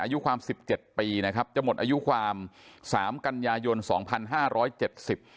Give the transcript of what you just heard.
อายุความสิบเจ็ดปีนะครับจะหมดอายุความสามกันยายนสองพันห้าร้อยเจ็ดสิบ